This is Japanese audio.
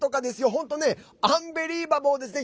本当ね、アンビリーバボーですね。